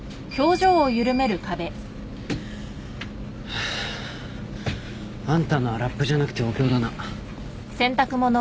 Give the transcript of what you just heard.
ハァ。あんたのはラップじゃなくてお経だな。